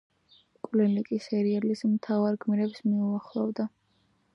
მკვლელი კი სერიალის მთავარ გმირებს მიუახლოვდება.